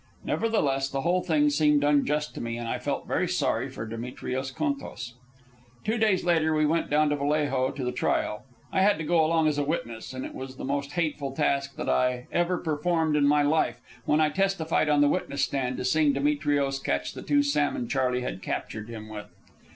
Nevertheless, the whole thing seemed unjust to me, and I felt very sorry for Demetrios Contos. Two days later we went down to Vallejo to the trial. I had to go along as a witness, and it was the most hateful task that I ever performed in my life when I testified on the witness stand to seeing Demetrios catch the two salmon Charley had captured him with.